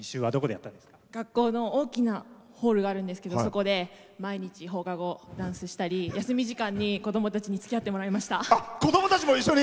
学校の大きなホールがあるんですけどそこで毎日、放課後ダンスしたり休み時間に子どもたちにつきあってもらいました。